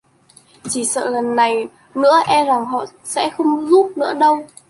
chỉ sợ lần này nữa e rằng họ sẽ không giúp đâu